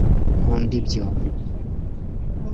nkunda ibyo